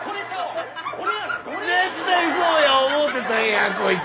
絶対そうや思うてたんやこいつ。